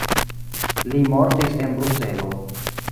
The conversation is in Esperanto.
Li mortis en Bruselo.